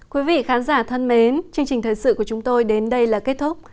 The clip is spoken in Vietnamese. quý vị khán giả thân mến chương trình thời sự của chúng tôi đến đây là kết thúc